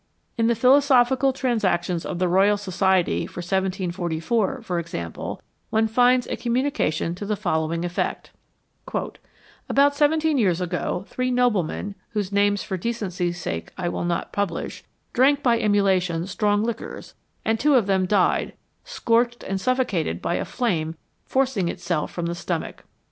In the Philosophical Transactions of the Royal Society for 1744, for example, one finds a communication to the following e ff ec t :" About seventeen years ago, three noblemen, whose names for decency"^ sake I will not publish, drank by emulation strong liquors, and two of them died, scorched and suffocated by a flame forcing itself from the stomach.'